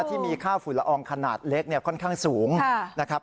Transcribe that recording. ที่มีค่าฝุ่นละอองขนาดเล็กค่อนข้างสูงนะครับ